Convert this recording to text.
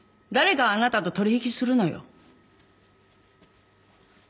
誰があなたと取引するのよ。